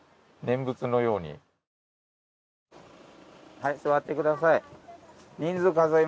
はい座ってください。